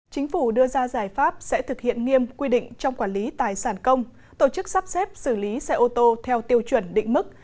chính phủ đưa ra giải pháp sẽ thực hiện nghiêm quy định trong quản lý tài sản công tổ chức sắp xếp xử lý xe ô tô theo tiêu chuẩn định mức